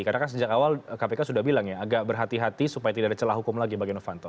karena kan sejak awal kpk sudah bilang ya agak berhati hati supaya tidak ada celah hukum lagi bagi stenovanto